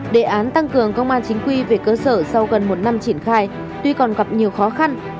đề án tăng cường công an chính quy về cơ sở sau gần một năm triển khai tuy còn gặp nhiều khó khăn